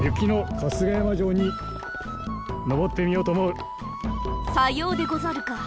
さようでござるか。